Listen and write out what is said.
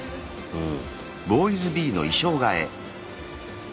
うん。